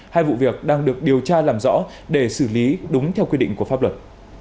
hai vụ việc đang được điều tra làm rõ để xử lý đúng theo quy định của pháp luật